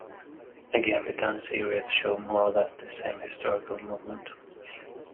Again, the time series show more or less the same historical movement.